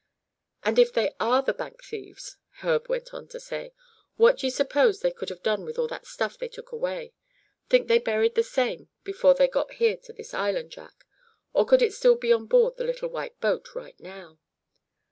"And if they are the bank thieves," Herb went on to say, "what d'ye suppose they could have done with all that stuff they took away? Think they buried the same before they got here to this island, Jack, or could it still be on board the little white boat right now?"